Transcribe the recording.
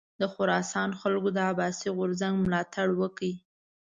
د خراسان خلکو د عباسي غورځنګ ملاتړ وکړ.